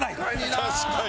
確かに。